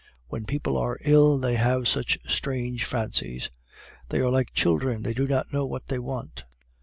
When people are ill, they have such strange fancies! They are like children, they do not know what they want.